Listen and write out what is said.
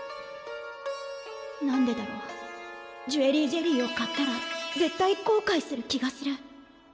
何でだろうジュエリージェリーを買ったら絶対こうかいする気がする。